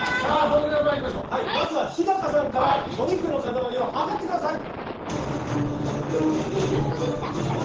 まずは日高さんからお肉の塊を量ってください！